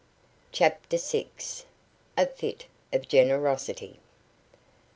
CHAPTER SIX. A FIT OF GENEROSITY.